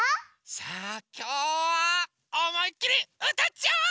さあきょうはおもいっきりうたっちゃおう！